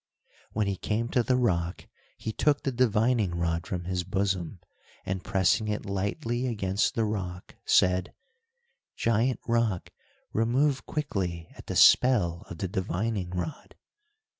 When he came to the rock he took the divining rod from his bosom, and, pressing it lightly against the rock, said: "Giant rock remove quickly at the spell of the divining rod."